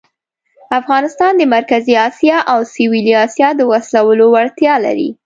افغانستان د مرکزي آسیا او سویلي آسیا د وصلولو وړتیا لري.